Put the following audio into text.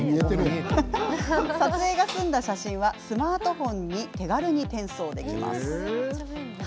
撮影が済んだ写真はスマートフォンに手軽に転送できますよ。